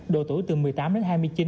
độ tuổi từ một mươi tám đến hai mươi chín